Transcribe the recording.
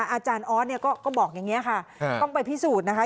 อาจารย์ออสเนี่ยก็บอกอย่างนี้ค่ะต้องไปพิสูจน์นะคะ